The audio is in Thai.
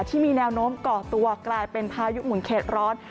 ที่มีแนวโน้มก่อตัวกลายเป็นพายุหมุนเขตร้อน